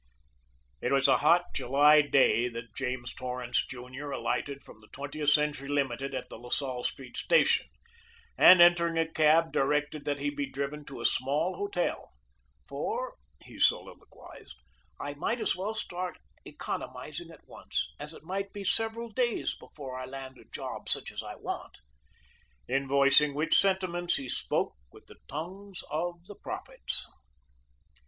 It was a hot July day that James Torrance, Jr., alighted from the Twentieth Century Limited at the La Salle Street Station, and, entering a cab, directed that he be driven to a small hotel; "for," he soliloquized, "I might as well start economizing at once, as it might be several days before I land a job such as I want," in voicing which sentiments he spoke with the tongues of the prophets.